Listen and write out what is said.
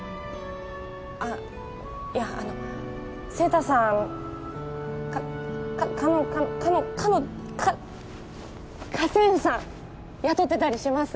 あっいやあの晴太さんかかのかの家政婦さん雇ってたりします？